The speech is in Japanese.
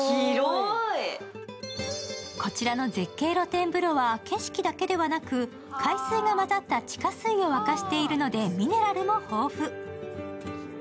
こちはの絶景露天風呂は景色だけではなく、海水が混ざった地下水を湧かしているのでミネラルも豊富。